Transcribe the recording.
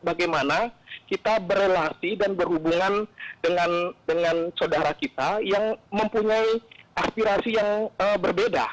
bagaimana kita berrelasi dan berhubungan dengan saudara kita yang mempunyai aspirasi yang berbeda